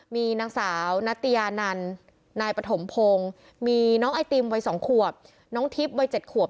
มีนางสาวนัตยานันนายปฐมพงศ์มีน้องไอติมวัย๒ขวบน้องทิพย์วัย๗ขวบ